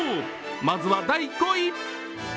まずは、第５位。